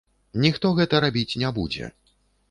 Ніхто гэта рабіць не будзе.